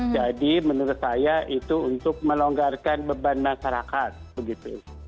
jadi menurut saya itu untuk melonggarkan beban masyarakat